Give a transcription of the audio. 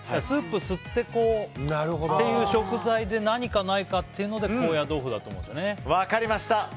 スープ吸ってこうっていう食材で何かないかなっていうので分かりました。